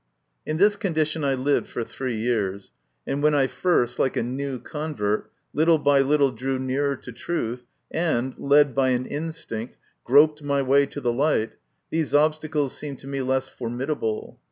In this condition I lived for three years, and when I first, like a new convert, little by little drew nearer to truth, and, led by an instinct, groped my way to the light, these obstacles seemed to me less formidable.